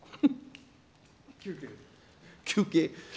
休憩。